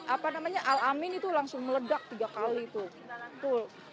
apa namanya al amin itu langsung meledak tiga kali tuh